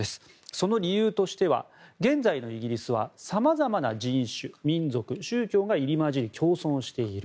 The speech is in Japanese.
その理由としては原罪のイギリスは様々な人種、民族、宗教が入り交じり、共存している。